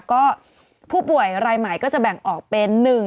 ก็ผู้ป่วยรายใหม่ก็จะแบ่งออกเป็น